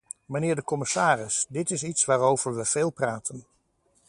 Mijnheer de commissaris, dit is iets waarover we veel praten.